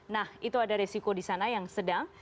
nah itu ada resiko di sana yang sedang